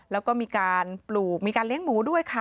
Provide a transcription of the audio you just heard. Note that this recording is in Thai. แล้วก็มีการปลูกมีการเลี้ยงหมูด้วยค่ะ